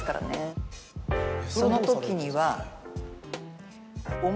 その時には。